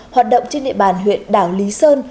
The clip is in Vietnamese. hoạt động trên địa bàn huyện đảo lý sơn